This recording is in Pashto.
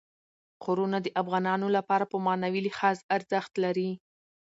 غرونه د افغانانو لپاره په معنوي لحاظ ارزښت لري.